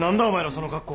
その格好。